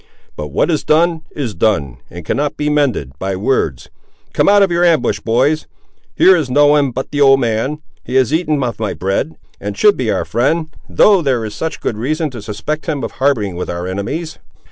But what is done, is done, and cannot be mended, by words. Come out of your ambush, boys; here is no one but the old man: he has eaten of my bread, and should be our friend; though there is such good reason to suspect him of harbouring with our enemies."